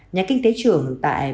nhà kinh tế trưởng tại